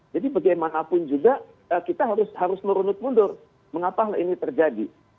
jadi bagaimanapun juga kita harus merunut mundur mengapa ini terjadi